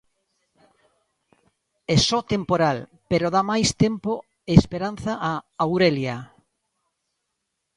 É só temporal, pero dá máis tempo e esperanza a Aurelia.